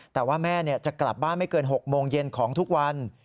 แต่ว่าแม่จะกลับบ้านไม่เกิน๖โมงเย็นของทุกวัน